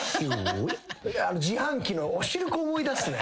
自販機のお汁粉思い出すね。